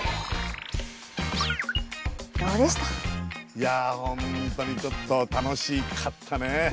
いや本当にちょっと楽しかったね。